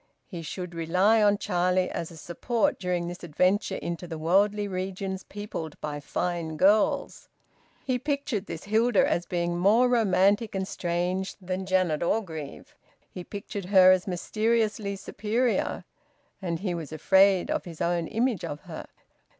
He should rely on Charlie as a support during this adventure into the worldly regions peopled by fine girls. He pictured this Hilda as being more romantic and strange than Janet Orgreave; he pictured her as mysteriously superior. And he was afraid of his own image of her.